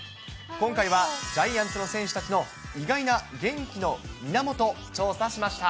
今回は、ジャイアンツの選手たちの意外な元気の源、調査しました。